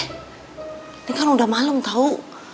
ini kan udah malem tau